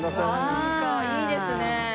なんかいいですね。